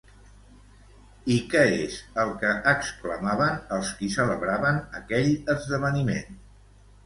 I què és el que exclamaven els qui celebraven aquell esdeveniment?